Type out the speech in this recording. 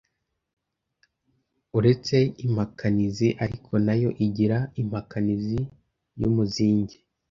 uretse Impakanizi ariko nayo igira impakanizi y’umuzinge